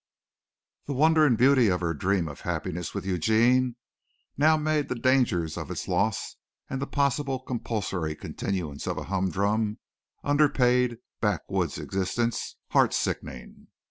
The wonder and beauty of her dream of happiness with Eugene now made the danger of its loss and the possible compulsory continuance of a humdrum, underpaid, backwoods existence, heart sickening.